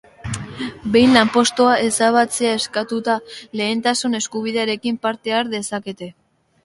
Behin lanpostua ezabatzea eskatuta, lehentasun eskubidearekin parte har dezakete.